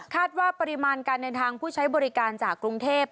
ว่าปริมาณการเดินทางผู้ใช้บริการจากกรุงเทพ